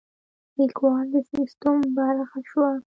لیکوال د سیستم برخه شوه.